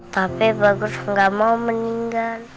tapi bagus nggak mau meninggal